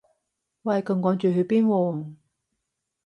喂咁趕去邊喎